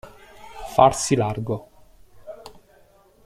Farsi largo.